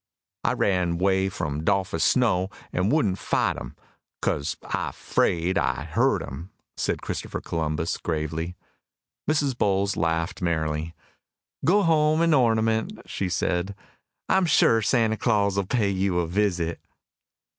"I ran 'way from 'Dolphus Snow, an' wouldn't fight him, 'cause I 'fraid I hurt him," said Christopher, gravely. Mrs. Bowles laughed merrily. "Go home and ornament," she said. "I am sure Santa Claus will pay you a visit."